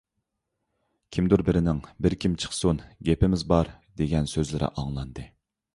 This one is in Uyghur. كىمدۇر بىرىنىڭ: «بىر كىم چىقسۇن، گېپىمىز بار!» دېگەن سۆزلىرى ئاڭلاندى.